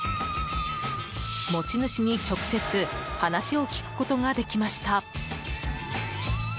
持ち主に直接話を聞くことができました。